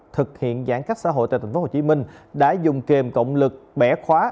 thực hiện giãn cách xã hội tại tp hcm đã dùng kềm cộng lực bẻ khóa